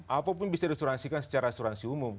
apapun bisa disuransikan secara asuransi umum